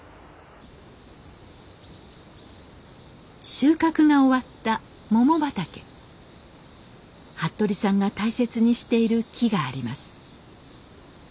収穫が終わったモモ畑服部さんが大切にしている木があります。